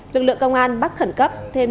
lực lượng công an bắt khẩn cấp thêm